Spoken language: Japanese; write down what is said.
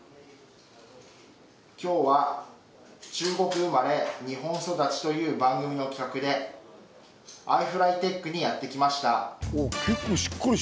今日は中国生まれ日本育ちという番組の企画でｉＦＬＹＴＥＫにやってきました